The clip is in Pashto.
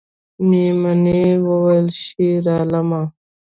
میمونۍ وویل شیرعالمه